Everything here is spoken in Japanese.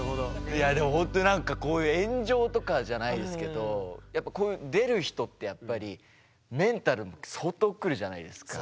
いやでもほんとにこういう炎上とかじゃないですけどこういう出る人ってやっぱりメンタル相当くるじゃないですか。